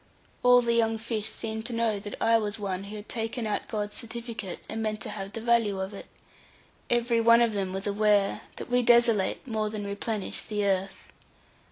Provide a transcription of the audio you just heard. All the young fish seemed to know that I was one who had taken out God's certificate, and meant to have the value of it; every one of them was aware that we desolate more than replenish the earth.